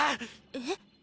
えっ？